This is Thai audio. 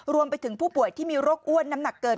รวมไปถึงผู้ป่วยที่มีโรคอ้วนน้ำหนักเกิน